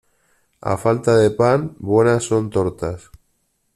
A falta de pan, buenas son tortas.